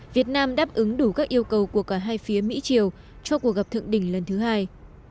việt nam đáp ứng đủ các yêu cầu của cả hai phía mỹ triều cho cuộc gặp thượng đỉnh lần thứ hai